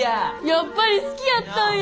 やっぱり好きやったんや！